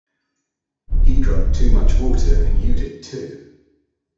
He drunk too much water and you did too.